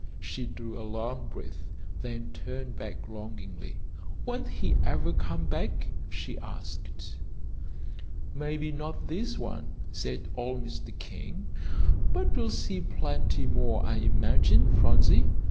She drew a long breath, then turned back longingly. "Won't he ever come back?" she asked. "Maybe not this one," said old Mr. King; "but we'll see plenty more, I imagine, Phronsie.